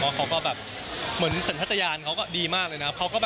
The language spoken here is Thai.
เพราะเขาก็แบบเหมือนสัญญาณเขาก็ดีมากเลยนะครับ